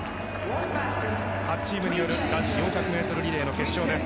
８チームによる男子４００ｍリレーの決勝です。